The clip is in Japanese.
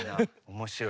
面白い。